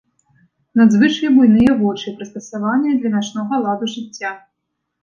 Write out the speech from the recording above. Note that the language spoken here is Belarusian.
Надзвычай буйныя вочы, прыстасаваныя для начнога ладу жыцця.